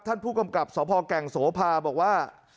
ท่านผู้กำกับสพแก่งโสภาบอกว่า